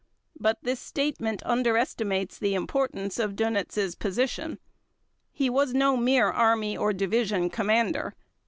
But this statement underestimates the importance of Dönitz' position. He was no mere army or division commander.